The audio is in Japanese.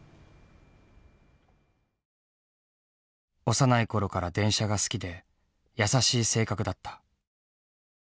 幼い頃から電車が好きで優しい性格だった。